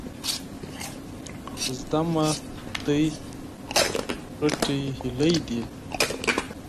زده مې ده، غټې هيلۍ دي.